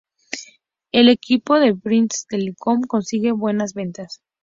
El equipo de British Telecom consigue buenas ventas.